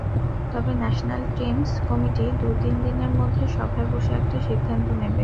তবে national teams committee দু-তিন দিনের মধ্যে সভায় বসে একটা সিদ্ধান্ত নেবে।